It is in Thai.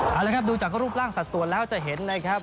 เอาละครับดูจากรูปร่างสัดส่วนแล้วจะเห็นนะครับ